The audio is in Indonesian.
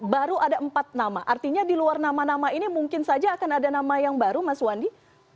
baru ada empat nama artinya di luar nama nama ini mungkin saja akan ada nama yang baru mas wandi